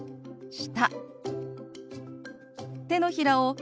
「下」。